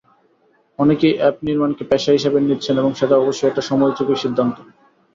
অনেকেই অ্যাপ নির্মাণকে পেশা হিসেবে নিচ্ছেন এবং সেটা অবশ্যই একটা সময়োপযোগী সিদ্ধান্ত।